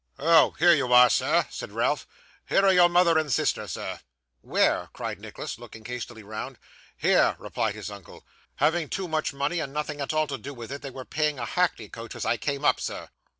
'Oh! here you are, sir!' said Ralph. 'Here are your mother and sister, sir.' 'Where?' cried Nicholas, looking hastily round. 'Here!' replied his uncle. 'Having too much money and nothing at all to do with it, they were paying a hackney coach as I came up, sir.